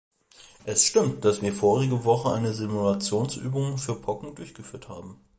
Es stimmt, dass wir vorige Woche eine Simulationsübung für Pocken durchgeführt haben.